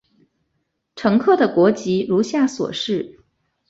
乘客的国籍如下所示。